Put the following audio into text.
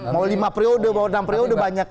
mau lima priode mau enam priode banyak